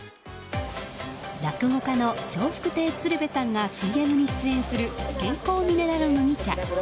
落語家の笑福亭鶴瓶さんがＣＭに出演する健康ミネラル麦茶。